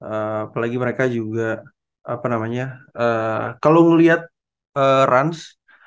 apalagi mereka juga apa namanya kalau melihat rans